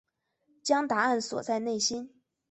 将答案锁在内心